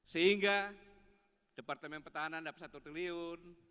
sehingga departemen pertahanan dapat satu triliun